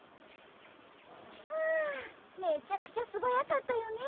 はあめちゃくちゃすばやかったよね